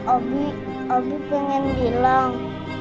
abi abi pengen bilang